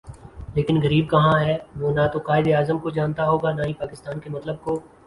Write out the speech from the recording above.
لیکن غریب کہاں ہے وہ نہ توقائد اعظم کو جانتا ہوگا نا ہی پاکستان کے مطلب کو